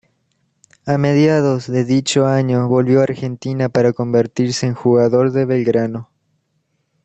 A mediados de dicho año volvió a Argentina para convertirse en jugador de Belgrano.